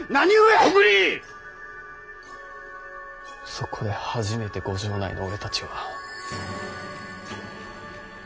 そこで初めて御城内の俺たちは鳥羽伏見で。